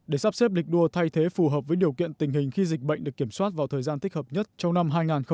để sắp xếp lịch đua thay thế phù hợp với điều kiện tình hình khi dịch bệnh được kiểm soát vào thời gian thích hợp nhất trong năm hai nghìn hai mươi